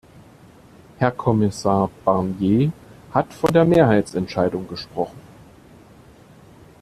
Herr Kommissar Barnier hat von der Mehrheitsentscheidung gesprochen.